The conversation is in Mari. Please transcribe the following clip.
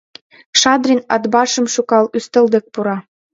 Шадрин, Атбашым шӱкал, ӱстел дек пура.